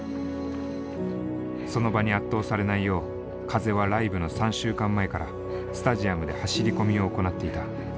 その場に圧倒されないよう風はライブの３週間前からスタジアムで走り込みを行っていた。